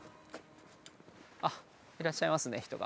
あっいらっしゃいますね人が。